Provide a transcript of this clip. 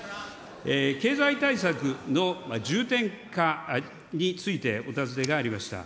経済対策の重点化についてお尋ねがありました。